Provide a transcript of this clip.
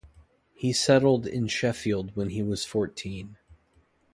He settled in Sheffield when he was fourteen.